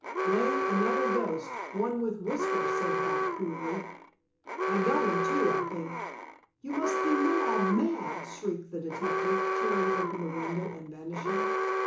"Laying another ghost—one with whiskers," said Hart coolly. "I got him, too, I think." "You must be mad, mad!" shrieked the detective, tearing open the window, and vanishing.